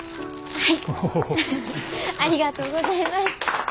はい！